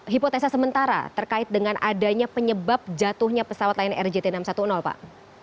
hipotesa sementara terkait dengan adanya penyebab jatuhnya pesawat lain rjt enam ratus sepuluh pak